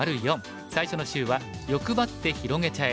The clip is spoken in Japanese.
最初の週は「欲ばって広げちゃえ！」。